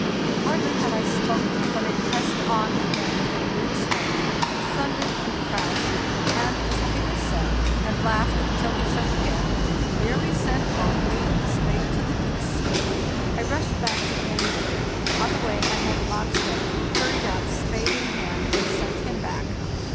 Hardly had I spoken, when it pressed on again with renewed strength, and thundered and crashed, and, as Peter said, and laughed till he shook again, 'nearly sent both me and the spade to the deuce.' I rushed back to the main deck; on the way I met Mogstad, who hurried up, spade in hand, and sent him back.